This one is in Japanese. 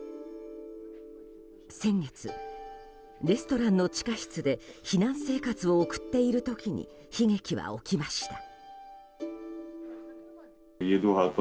先月、レストランの地下室で避難生活を送っている時に悲劇は起きました。